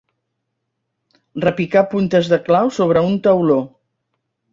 Repicar puntes de clau sobre un tauló.